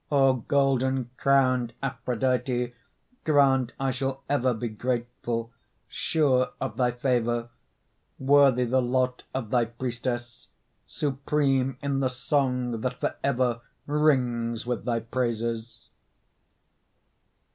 O golden crowned Aphrodite, Grant I shall ever be grateful, Sure of thy favor; Worthy the lot of thy priestess, Supreme in the song that forever Rings with thy praises.